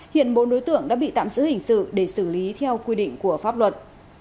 hiện bốn đối tượng đã bị tạm giữ hình sự để xử lý theo quy định của pháp luật